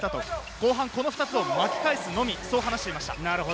後半、この２つを巻き返すのみと話していました。